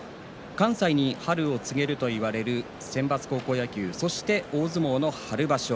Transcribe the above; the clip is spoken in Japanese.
関西に春を告げるといわれる選抜高校野球そして、大相撲の春場所。